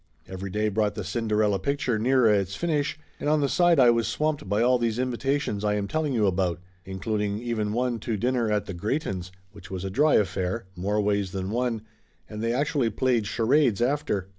Every day brought the Cinderella picture nearer its finish, and on the side I was swamped by all these in vitations I am telling you about, including even one to dinner at the Greytons', which was a dry affair, more ways than one, and they actually played charades after.